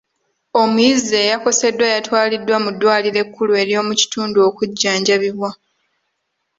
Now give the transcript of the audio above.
Omuyizi eyakoseddwa yatwalidwa mu ddwaliro ekkulu ery'omukitundu okujjanjabibwa.